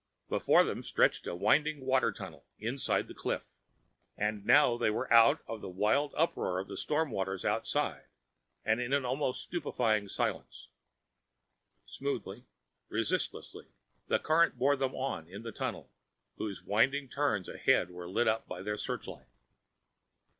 Before them stretched a winding water tunnel inside the cliff. And now they were out of the wild uproar of the storming waters outside, and in an almost stupefying silence. Smoothly, resistlessly, the current bore them on in the tunnel, whose winding turns ahead were lit up by their searchlight.